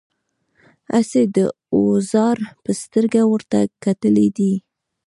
هسې د اوزار په سترګه ورته کتلي دي.